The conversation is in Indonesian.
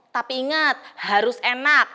tapi inget harus enak